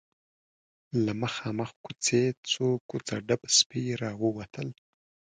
له مخامخ کوڅې څو کوڅه ډب سپي راووتل.